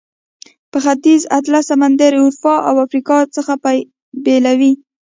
په ختیځ کې اطلس سمندر اروپا او افریقا څخه بیلوي.